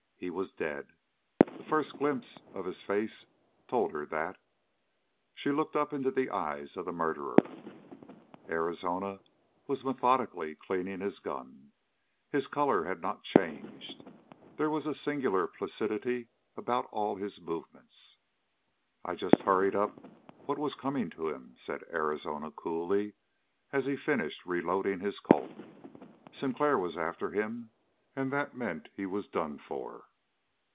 He was dead. The first glimpse of his face told her that. She looked up into the eyes of the murderer. Arizona was methodically cleaning his gun. His color had not changed. There was a singular placidity about all his movements. "I just hurried up what was coming to him," said Arizona coolly, as he finished reloading his Colt. "Sinclair was after him, and that meant he was done for."